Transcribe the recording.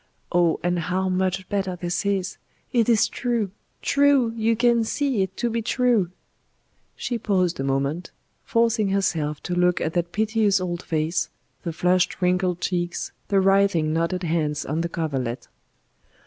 Oh! and how much better this is! It is true true. You can see it to be true!" She paused a moment, forcing herself to look at that piteous old face, the flushed wrinkled cheeks, the writhing knotted hands on the coverlet.